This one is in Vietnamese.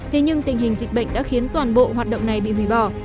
thế nhưng tình hình dịch bệnh đã khiến toàn bộ hoạt động này bị hủy bỏ